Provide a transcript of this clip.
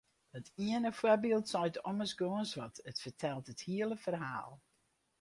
Dat iene foarbyld seit ommers gâns wat, it fertelt it hiele ferhaal.